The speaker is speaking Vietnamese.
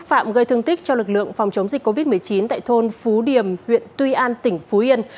hành vi xúc phạm gây thương tích cho lực lượng phòng chống dịch covid một mươi chín tại thôn phú điểm huyện tuy an tỉnh phú yên